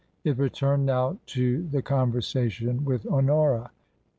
It returned now to the conver sation with Honora.